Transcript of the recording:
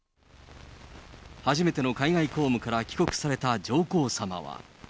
初めての海外公務から帰国された上皇さまは。